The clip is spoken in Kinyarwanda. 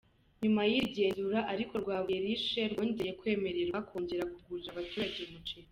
Nyuma y’iri genzura ariko Rwabuye Rice rwongeye kwemererwa kongera kugurira abaturage umuceri.